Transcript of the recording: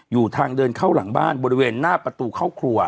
อยู่ทางเดินเข้าหลังบ้านบริเวณหน้าประตูเข้าครัว